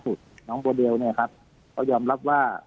คือน้องบรูดเดลนะครับก็ยอมรับว่า